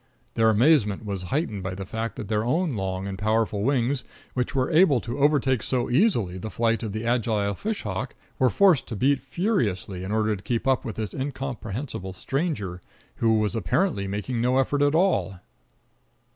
Their amazement was heightened by the fact that their own long and powerful wings, which were able to overtake so easily the flight of the agile fish hawk, were forced to beat furiously in order to keep up with this incomprehensible stranger, who was apparently making no effort at all.